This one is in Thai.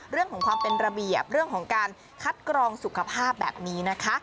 เรื่องของความเป็นระเบียบเรื่องของการคัดกรองสุขภาพแบบนี้นะคะ